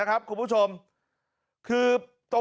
กะลาวบอกว่าก่อนเกิดเหตุ